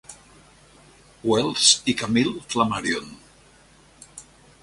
Wells i Camille Flammarion.